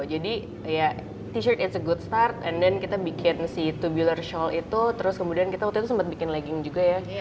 jadi ya t shirt it's a good start and then kita bikin si tubular shawl itu terus kemudian kita waktu itu sempat bikin legging juga ya